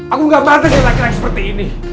aku gak patah dengan laki laki seperti ini